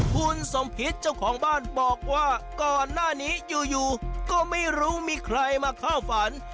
คุณสมพิษเจ้าของบ้านบอกว่าก่อนหน้านี้อยู่ก็ไม่รู้มีใครมาเข้าฝัน